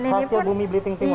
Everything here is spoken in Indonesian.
hasil bumi belitung timur ya